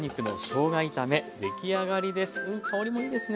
うん香りもいいですね。